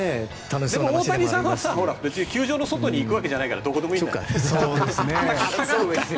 でも球場の外に行くわけじゃないからどこでもいいんだよ。